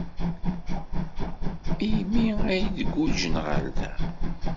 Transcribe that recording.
Melmi ay d-guǧǧen ɣer da?